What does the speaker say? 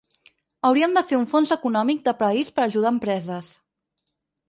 Hauríem de fer un fons econòmic de país per ajudar empreses.